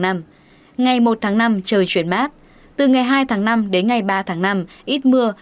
ngày một tháng năm trời chuyển mát từ ngày hai tháng năm đến ngày ba tháng năm ít mưa